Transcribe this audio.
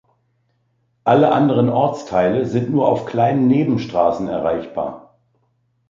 Alle anderen Ortsteile sind nur auf kleinen Nebenstrassen erreichbar.